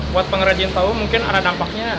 buat pengrajin tahu mungkin ada dampaknya